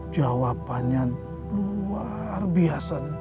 jawabannya luar biasa